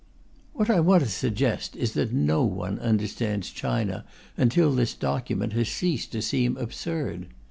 What I want to suggest is that no one understands China until this document has ceased to seem absurd.